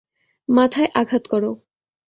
মাথায় আঘাত করো!